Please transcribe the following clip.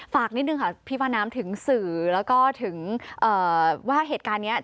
ฝากนิดนึงค่ะพี่ฟาน้ำถึงสื่อแล้วก็ถึงว่าเหตุการณ์นี้